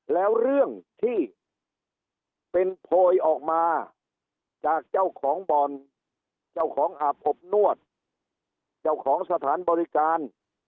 แล้วเรื่องที่เป็นโพยออกมาจากเจ้าของบ่อนเจ้าของอาบอบนวดเจ้าของสถานบริการ